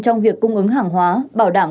trong việc cung ứng hàng hóa bảo đảm